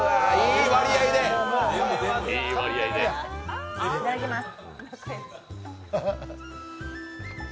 いただきます。